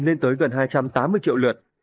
lên tới gần hai trăm tám mươi triệu lượt